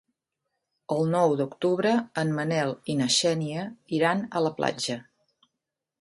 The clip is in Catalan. El nou d'octubre en Manel i na Xènia iran a la platja.